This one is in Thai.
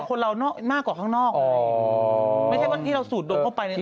เค้าโบ๊ยปกติอยู่แล้ว